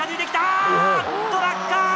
あっと落下！